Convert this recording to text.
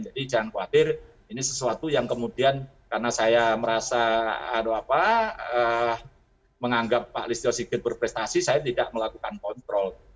jadi jangan khawatir ini sesuatu yang kemudian karena saya merasa menganggap pak listio sigit berprestasi saya tidak melakukan kontrol